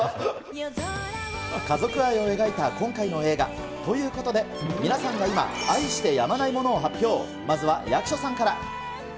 家族愛を描いた今回の映画。ということで、皆さんが今、愛してやまないものを発表。